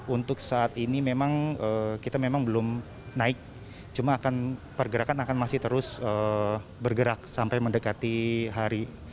untuk saat ini memang kita memang belum naik cuma akan pergerakan akan masih terus bergerak sampai mendekati hari